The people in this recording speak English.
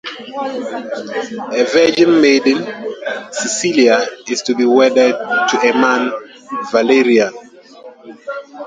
A virgin maiden, Cecilia, is to be wedded to a man Valerian.